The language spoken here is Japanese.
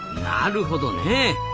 なるほどね。